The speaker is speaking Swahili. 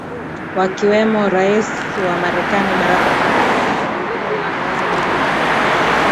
wakiwemo rais wa marekani barack obama na waziri mkuu wa uingereza david cameron